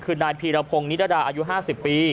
คือนายพีรพงศ์นิรดาอายุ๕๐ปี